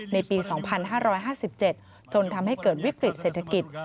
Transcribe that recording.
ในปี๒๕๕๗จนทำให้เกิดวิกฤตเศรษฐกิจ